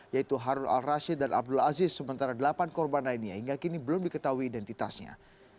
yaitu harun al rashid dan abdul aziz sementara delapan korban lainnya hingga kini belum diketahui identitasnya